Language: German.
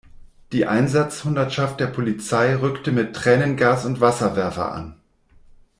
Die Einsatzhundertschaft der Polizei rückte mit Tränengas und Wasserwerfer an.